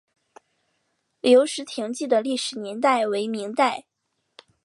留石亭记的历史年代为明代。